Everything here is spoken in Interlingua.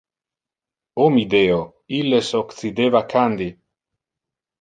Oh mi deo, illes occideva Kandy!